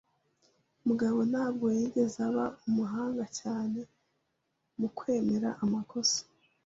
Mugabo ntabwo yigeze aba umuhanga cyane mu kwemera amakosa.